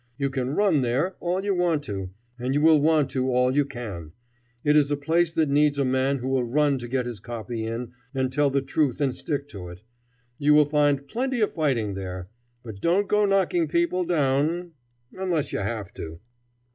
You can run there all you want to, and you will want to all you can. It is a place that needs a man who will run to get his copy in and tell the truth and stick to it. You will find plenty of fighting there. But don't go knocking people down unless you have to."